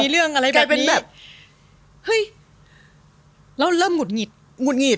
แล้วเริ่มหงุดหงิด